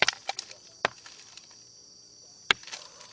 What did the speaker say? เวียนหัวไม่มาหรอกลูกไม่มาหรอกลูกไม่มาหรอก